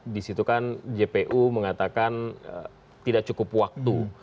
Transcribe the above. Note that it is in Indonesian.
disitu kan jpu mengatakan tidak cukup waktu